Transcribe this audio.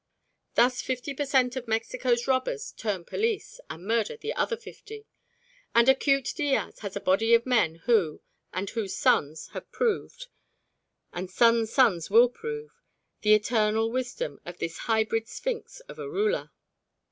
Thus fifty per cent, of Mexico's robbers turn police and murder the other fifty, and acute Diaz has a body of men who and whose sons have proved, and sons' sons will prove, the eternal wisdom of this hybrid Sphinx of a ruler.